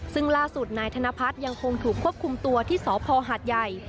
ซึ่งล่าสุดนายธนพัฒน์ยังคงถูกควบคุมตัวที่สพหาดใหญ่